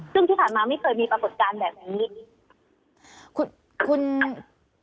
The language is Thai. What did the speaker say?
ซึ่งที่ผ่านมาไม่เคยมีปรากฏการณ์แบบนี้